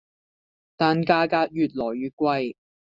但價格越來越貴